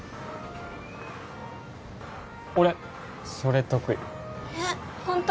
俺それ得意えっホント？